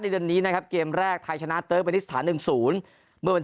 ในเดือนนี้นะครับเกมแรกไทยชนะเป็นสถานหนึ่งศูนย์เมื่อวัน